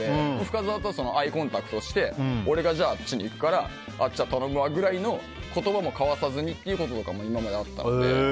深澤とアイコンタクトして俺があっちに行くからあっちは頼むわくらいの、言葉も交わさずにっていうこととかも今まであったので。